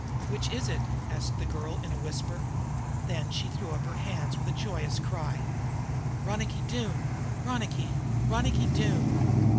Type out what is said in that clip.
"Which is it?" asked the girl in a whisper. Then she threw up her hands with a joyous cry: "Ronicky Doone! Ronicky, Ronicky Doone!"